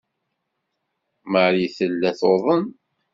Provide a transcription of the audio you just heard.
Marie tella tuḍen.